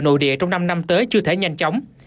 nội địa trong năm năm tới chưa thể nhanh chóng